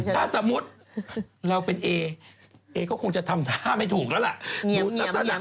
ถ้าสมมุติเราเป็นเอเอก็คงจะทำท่าไม่ถูกแล้วล่ะ